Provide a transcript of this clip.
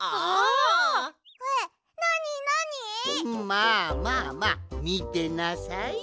まあまあまあみてなさい。